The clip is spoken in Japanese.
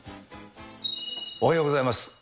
おはようございます。